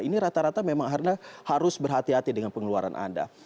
ini rata rata memang anda harus berhati hati dengan pengeluaran anda